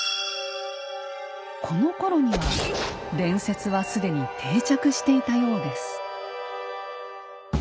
このころには伝説は既に定着していたようです。